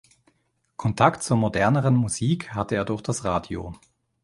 Kontakt zur moderneren Musik hatte er durch das Radio.